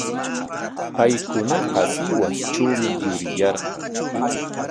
Paykunaqa Sihuastrawmi yuriyarqan.